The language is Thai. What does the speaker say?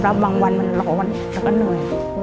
บางวันมันร้อนแล้วก็เหนื่อย